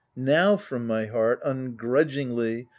Now from my heart, ungrudgingly.